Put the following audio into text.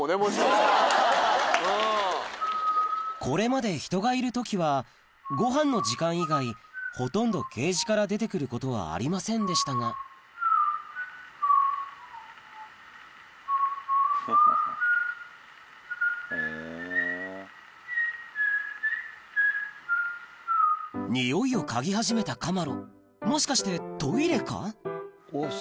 これまで人がいる時はごはんの時間以外ほとんどケージから出て来ることはありませんでしたがにおいを嗅ぎ始めたカマロもしかしてトイレか？